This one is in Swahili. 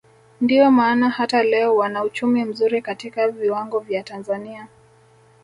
Ndio maana hata leo wana uchumi mzuri katika viwango vya Tanzania